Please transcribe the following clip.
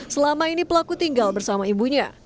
selama ini pelaku tinggal bersama ibunya